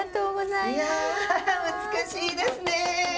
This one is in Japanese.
いや美しいですね。